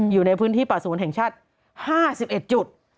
อยู่ในพื้นที่ป่าสงวนแห่งชาติ๕๑จุด